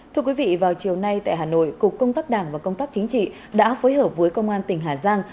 thưa quý vị vào chiều nay tại hà nội cục công tác đảng và công tác chính trị đã phối hợp với công an tỉnh hà giang